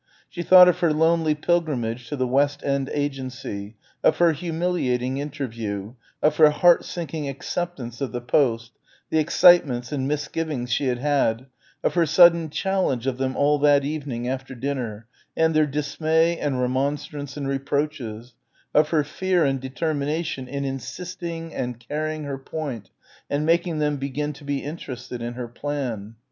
She thought of her lonely pilgrimage to the West End agency, of her humiliating interview, of her heart sinking acceptance of the post, the excitements and misgivings she had had, of her sudden challenge of them all that evening after dinner, and their dismay and remonstrance and reproaches of her fear and determination in insisting and carrying her point and making them begin to be interested in her plan.